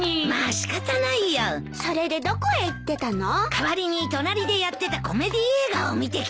代わりに隣でやってたコメディー映画を見てきたんだ。